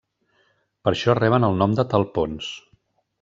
Per això reben el nom de talpons.